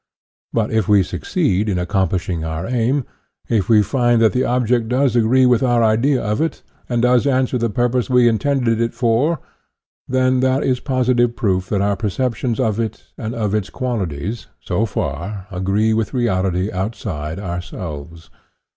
But if we succeed in accom plishing our aim, if we find that the object does agree with our idea of it, and does answer the purpose we intended it for, then that is positive proof that our perceptions of it and of its qual ities, so far, agree with reality outside ourselves.